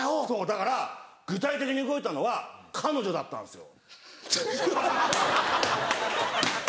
だから具体的に動いたのは彼女だったんですよ。